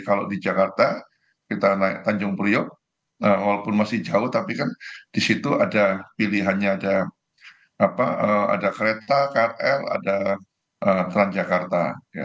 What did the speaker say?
kalau di jakarta kita naik tanjung priok walaupun masih jauh tapi kan di situ ada pilihannya ada kereta krl ada transjakarta